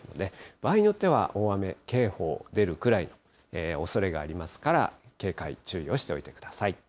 場合によっては大雨警報出るくらいのおそれがありますから、警戒、注意をしておいてください。